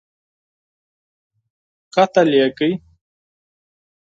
قتل یې کړی.